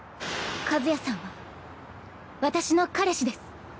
和也さんは私の彼氏です。